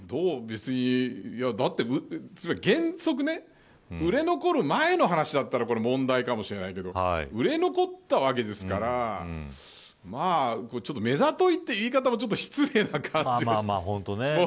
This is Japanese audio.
原則、売れ残る前の話だったら問題かもしれないけど売れ残ったわけですからまあ、めざといという言い方も失礼な感じがする。